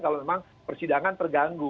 kalau memang persidangan terganggu